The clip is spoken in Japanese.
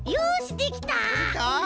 できた？